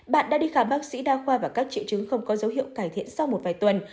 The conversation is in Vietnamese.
bạn đã đi khám bác sĩ đa khoa và các triệu chứng không có dấu hiệu cải thiện sau một vài tuần